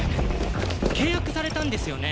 契約されたんですよね？